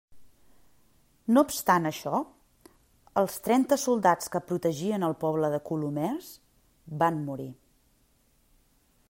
No obstant això, els trenta soldats que protegien el poble de Colomers van morir.